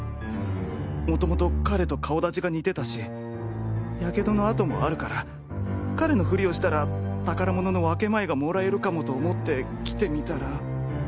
元々彼と顔立ちが似てたし火傷の痕もあるから彼のフリをしたら宝物の分け前がもらえるかもと思って来てみたら。